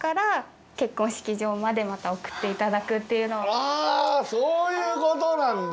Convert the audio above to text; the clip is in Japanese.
あそういうことなんだ。